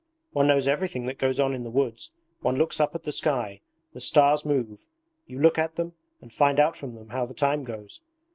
One knows everything that goes on in the woods. One looks up at the sky: the stars move, you look at them and find out from them how the time goes.